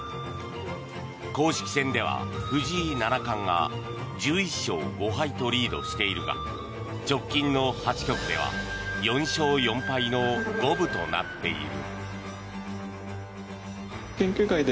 公式戦では、藤井七冠が１１勝５敗とリードしているが直近の８局では４勝４敗の五分となっている。